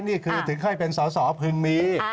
นี่คือถึงค่อยเป็นสาวพึงมี